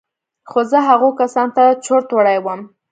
خو زه هغو کسانو ته چورت وړى وم.